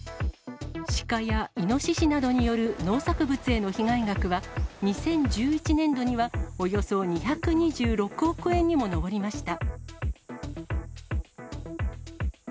シカやイノシシなどによる農作物への被害額は、２０１１年度にはおよそ２２６億円にも上りました。